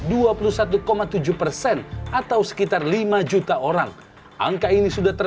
dalam perusahaan transportasi di jakarta